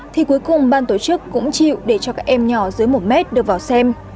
thì cuối cùng ban tổ chức cũng chịu để cho các em nhỏ dưới một mét được vào xem